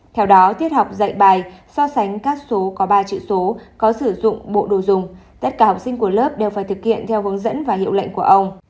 theo đó tiết học dạy bài so sánh các số có ba chữ số có sử dụng bộ đồ dùng tất cả học sinh của lớp đều phải thực hiện theo hướng dẫn và hiệu lệnh của ông